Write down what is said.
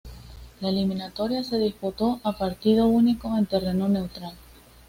La eliminatoria se disputó a partido único en terreno neutral.